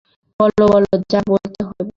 বলো, বলো, যা বলতে হয় বলো।